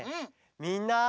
みんな！